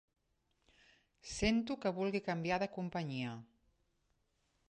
Sento que vulgui canviar de companyia.